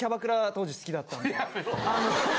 当時好きだったんで。